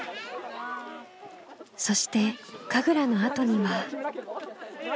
そして神楽のあとには。